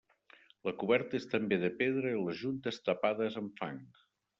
La coberta és també de pedra i les juntes tapades amb fang.